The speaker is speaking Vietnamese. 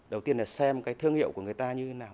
đầu tiên là xem cái thương hiệu của người ta như thế nào